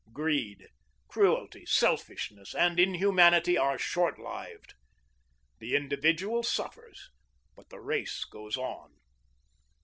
Greed, cruelty, selfishness, and inhumanity are short lived; the individual suffers, but the race goes on.